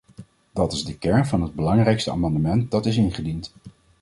Dat is de kern van het belangrijkste amendement dat is ingediend.